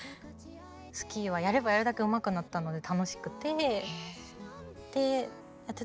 スキーはやればやるだけうまくなったので楽しくてやってたんですけど